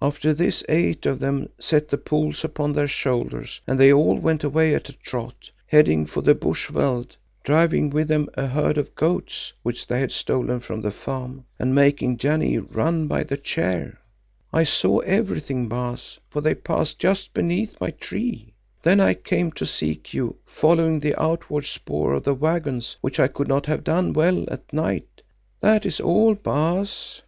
After this eight of them set the poles upon their shoulders, and they all went away at a trot, heading for the bush veld, driving with them a herd of goats which they had stolen from the farm, and making Janee run by the chair. I saw everything, Baas, for they passed just beneath my tree. Then I came to seek you, following the outward spoor of the waggons which I could not have done well at night. That is all, Baas."